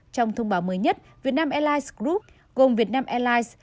trong thông báo mới nhất vietnam airlines group gồm vietnam airlines